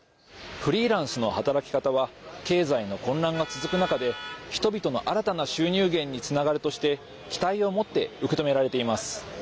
フリーランスの働き方は経済の混乱が続く中で人々の新たな収入源につながるとして期待を持って受け止められています。